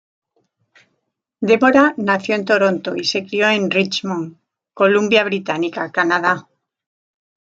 Deborah nació en Toronto y se crio en Richmond, Columbia Británica, Canadá.